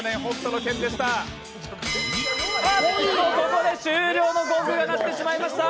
おっとここで終了のゴングが鳴ってしまいました。